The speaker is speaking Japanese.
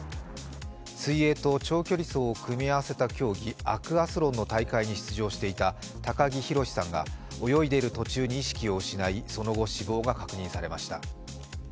水泳と長距離走を組み合わせた競技、アクアスロンの大会に出場していた高木宏さんが泳いでいる途中に意識を失いその後、死亡が確認されました。